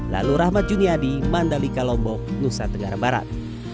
lalu rahmat juniadi mandali kalombok nusa tenggara barat